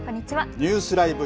ニュースＬＩＶＥ！